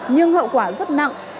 nhưng hậu quả rất nặng